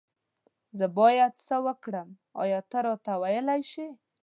زه بايد سه وکړم آيا ته راته ويلي شي